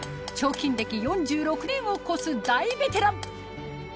彫金歴４６年を超す大ベテラン